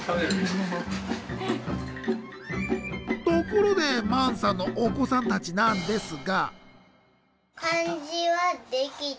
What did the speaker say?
ところでマンさんのお子さんたちなんですが。